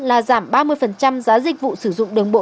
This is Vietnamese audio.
là giảm ba mươi giá dịch vụ sử dụng đường bộ